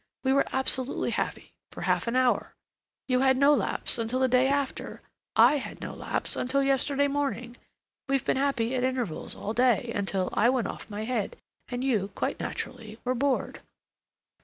We were absolutely happy for half an hour. You had no lapse until the day after; I had no lapse until yesterday morning. We've been happy at intervals all day until I—went off my head, and you, quite naturally, were bored."